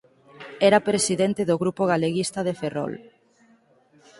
Era presidente do Grupo Galeguista de Ferrol.